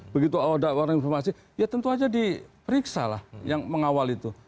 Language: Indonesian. begitu ada orang informasi ya tentu saja diperiksa lah yang mengawal itu